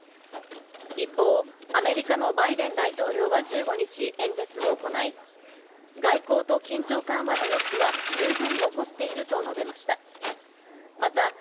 一方、アメリカのバイデン大統領は１５日、演説を行い、外交と緊張緩和の余地は十分残っていると述べました。